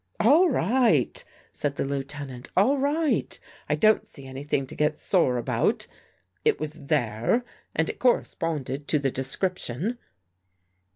" All right," said the Lieutenant. " All right. I don't see anything to get sore about. It was there and it corresponded to the description."